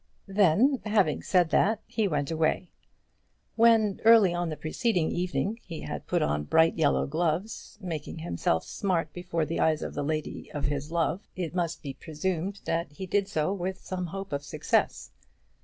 Then, having said that, he went away. When early on the preceding evening he had put on bright yellow gloves, making himself smart before the eyes of the lady of his love, it must be presumed that he did so with some hope of success.